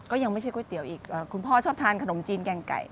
ยังไม่ใช่ก๋วยเตี๋ยวอีกคุณพ่อชอบทานขนมจีนแกงไก่